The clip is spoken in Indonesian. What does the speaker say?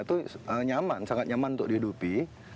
itu nyaman sangat nyaman untuk dihidupi